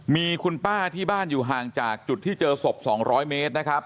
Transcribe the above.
มีคุณป้าที่บ้านอยู่จากจุดที่เจอศพสองร้อยเมตรนะครับ